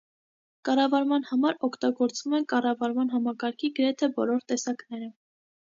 Կառավարման համար օգտագործվում են կառավարման համակարգի գրեթե բոլոր տեսակները։